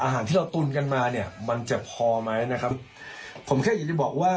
อาหารที่เราตุนกันมาเนี่ยมันจะพอไหมนะครับผมแค่อยากจะบอกว่า